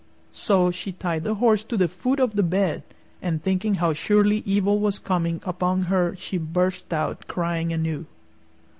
So she tied the horse to the foot of the bed, and, thinking how surely evil was coming upon her, she burst out crying anew.